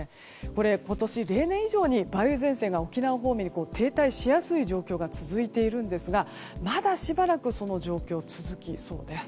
今年、例年以上に梅雨前線が沖縄方面に停滞しやすい状況が続いているんですがまだ、しばらくその状況続きそうです。